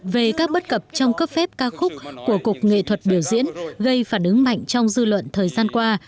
về các bất cập trong cấp phép ca khúc của cục nghệ thuật biểu diễn gây phản ứng mạnh trong dư luận thời gian qua